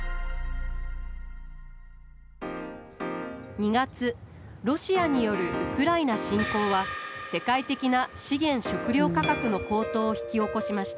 ２月ロシアによるウクライナ侵攻は世界的な資源・食料価格の高騰を引き起こしました。